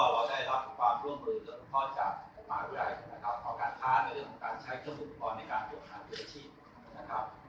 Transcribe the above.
แล้วก็เราได้รับความร่วมมือเรื่องข้อจากอุปกรณ์รุ่นรายนะครับของการค้าเงินของการใช้เครื่องบุคคลในการตรวจทางเงินอาชีพนะครับ